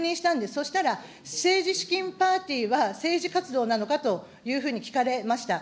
そしたら、政治資金パーティーは政治活動なのかというふうに聞かれました。